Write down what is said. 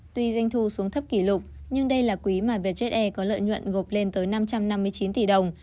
tuy doanh thu xuống thấp kỷ lục nhưng đây là quý mà vietjet air có lợi nhuận gộp lên tới năm trăm năm mươi chín tỷ đồng